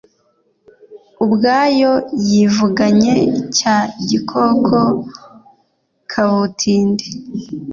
ubwayo yivuganye cya gikoko kabutindi